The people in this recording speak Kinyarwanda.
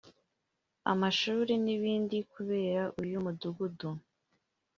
amashuri n’ibindi kubera uyu mudugudu